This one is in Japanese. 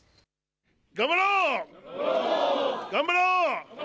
頑張ろう、頑張ろう。